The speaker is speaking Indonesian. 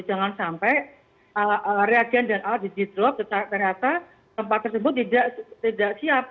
jangan sampai reagen dan alat di drop ternyata tempat tersebut tidak siap